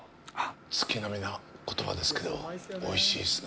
月並みな言葉ですけど、おいしいですね。